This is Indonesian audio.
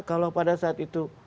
kalau pada saat itu